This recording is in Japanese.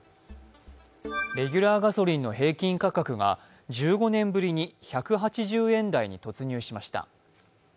レギュラーガソリンの平均価格が１５年ぶりに１８０円台に突入しました。